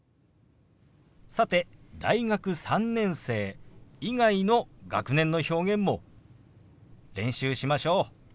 さて大学３年生以外の学年の表現も練習しましょう。